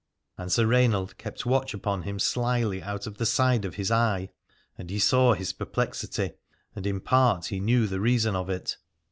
And Sir Rainald kept watch upon him slyly out of the side of his eye, and he saw his perplexity and in part he knew the reason of it.